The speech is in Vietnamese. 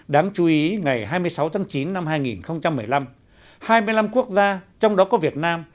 đáng chú ý ngày hai mươi sáu tháng chín năm hai nghìn một mươi năm hai mươi năm quốc gia trong đó có việt nam